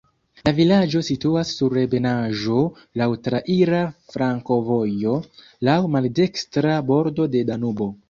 La vilaĝo situas sur ebenaĵo, laŭ traira flankovojo, laŭ maldekstra bordo de Danubo.